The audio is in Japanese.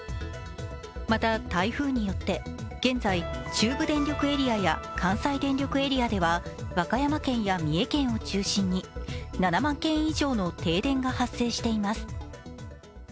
また台風によって現在、中部電力エリアや関西電力エアでは和歌山県や三重県を中心に７万軒以上の停電が発生しています。